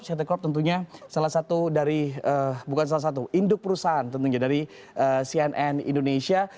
ct corp tentunya salah satu dari bukan salah satu induk perusahaan tentunya dari cnn indonesia